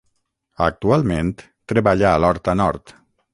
Actualment treballa a l'Horta Nord.